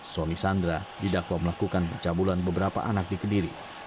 soni sandra didakwa melakukan pencabulan beberapa anak di kediri